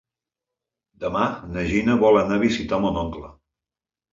Demà na Gina vol anar a visitar mon oncle.